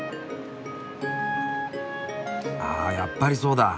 あやっぱりそうだ。